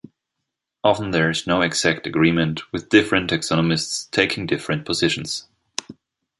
Often there is no exact agreement, with different taxonomists taking different positions.